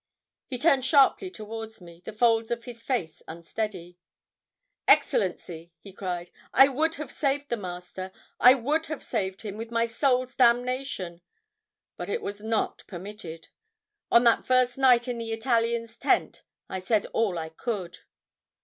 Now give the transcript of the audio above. He turned sharply toward me, the folds of his face unsteady. "Excellency!" he cried. "I would have saved the Master, I would have saved him with my soul's damnation, but it was not permitted. On that first night in the Italian's tent I said all I could."